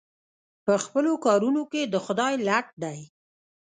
په خپلو کارونو کې د خدای لټ دی.